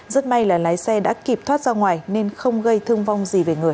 rất may là lái xe đã kịp thoát ra ngoài nên không gây thương vong gì về người